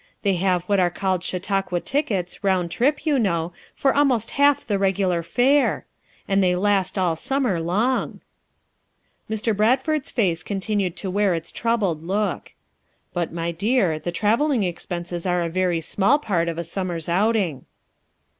They have what are called Chautauqua tickets, round trip, you know, for almost half the regular fare ; and they last all summer long." Mr. Bradford's face continued to wear its troubled look. "But, my dear, the traveling ex FOUE MOTHERS AT CHAUTAUQUA 43 penses are a very small part of a summer's outing."